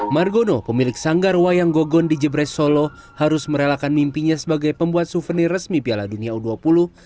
margono pemilik sanggar wayang gogon di jebres solo harus merelakan mimpinya sebagai pembuat souvenir resmi piala dunia u dua puluh